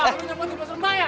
wah lu nyemotin pas rumah ya